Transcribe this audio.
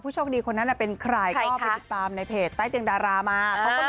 ผู้ชมดีคนนั้นเป็นใครนะคะตามในเพจใต้เตียงดารามาเขา